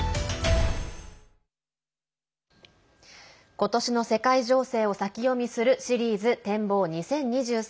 今年の世界情勢を先読みするシリーズ展望２０２３。